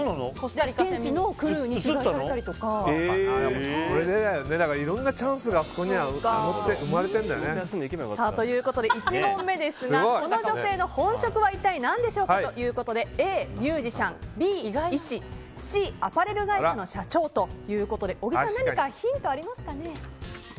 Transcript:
現地のクルーにいろんなチャンスがということで１問目ですがこの女性の本職は何でしょうかということでＡ、ミュージシャンＢ、医師Ｃ、アパレル会社の社長ということで小木さん、ヒントありますかね。